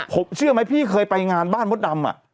ผมเชื่อไหมพี่เคยไปงานบ้านมดดำ